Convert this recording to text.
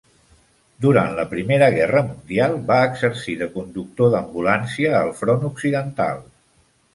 Durant la Primera Guerra Mundial, va exercir de conductor d'ambulància al front occidental.